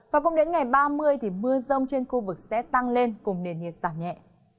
cùng đến ngày ba mươi thì mưa rông trên khu vực sẽ tăng lên cùng nền nhiệt giảm nhẹ